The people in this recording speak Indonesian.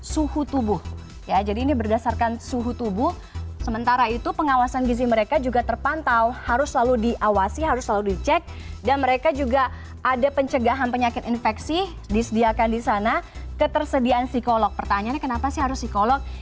suhu tubuh ya jadi ini berdasarkan suhu tubuh sementara itu pengawasan gizi mereka juga terpantau harus selalu diawasi harus selalu dicek dan mereka juga ada pencegahan penyakit infeksi disediakan di sana ketersediaan psikolog pertanyaannya kenapa sih harus psikolog